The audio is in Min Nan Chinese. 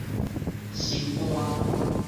心肝